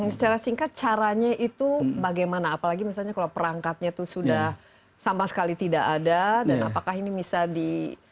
secara singkat caranya itu bagaimana apalagi misalnya kalau perangkatnya itu sudah sama sekali tidak ada dan apakah ini bisa di